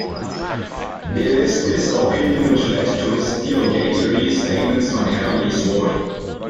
It is this opinion which led to his derogatory statements on "Heavenly Sword".